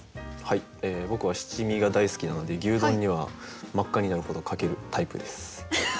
僕は七味が大好きなので牛丼には真っ赤になるほどかけるタイプです。